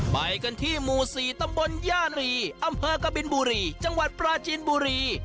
ไปกันที่หมู่๔ตำบลย่านรีอำเภอกบินบุรีจังหวัดปราจีนบุรี